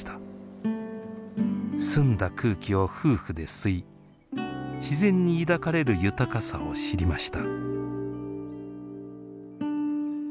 澄んだ空気を夫婦で吸い自然に抱かれる豊かさを知りました。